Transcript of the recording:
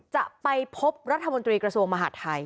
จะไปพบรัฐมนตรีกระทรวงมหาดไทย